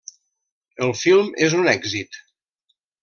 El film és un èxit.